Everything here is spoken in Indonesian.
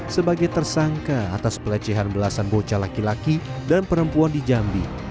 sebagai tersangka atas pelecehan belasan bocah laki laki dan perempuan di jambi